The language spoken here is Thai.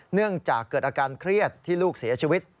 เนื่องจากเกิดอาการเครียดที่ลูกเสียชีวิต